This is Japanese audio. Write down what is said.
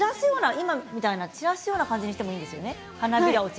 今みたいに散らすような感じにしてもいいですよね。